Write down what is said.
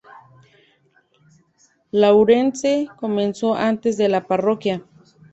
Laurence comenzó antes de la parroquia.